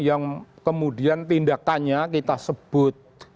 yang kemudian tindakannya kita sebut